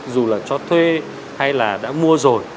dù là cho thuê hay là đã mua rồi